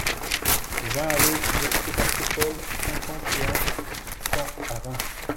vingt allée de Sébastopol, cinquante et un, cent à Reims